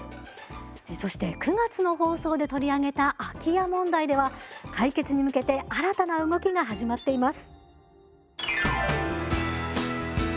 そして９月の放送で取り上げた空き家問題では解決に向けて新たな動きが始まっています。